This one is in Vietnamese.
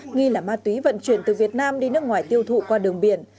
nghi là ma túy vận chuyển từ việt nam đi nước ngoài tiêu thụ qua đường biển